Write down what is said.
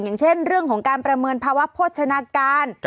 อย่างเช่นเรื่องของการประเมินภาวะโภชนาการ